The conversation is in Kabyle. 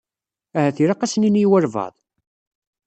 Ahat ilaq ad s-nini i walebɛaḍ.